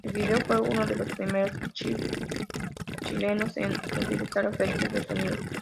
El video fue uno de los primeros clips chilenos en utilizar efectos de sonido.